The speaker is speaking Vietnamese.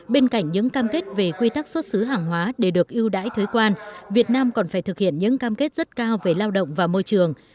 bên cạnh những cam kết về quy tắc xuất xứ hàng hóa để được ưu đãi thuế quan việt nam còn phải thực hiện những cam kết rất cao về lao động và môi trường